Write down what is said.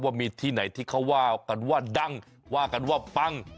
ว่ามีที่ไหนที่เขาว่ากันว่าดังว่ากันว่าปัง